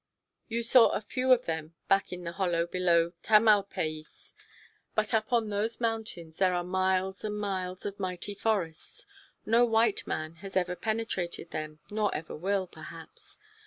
You saw a few of them in the hollow below Tamalpais, but up on those mountains there are miles and miles of mighty forests. No white man has ever penetrated them, nor ever will, perhaps.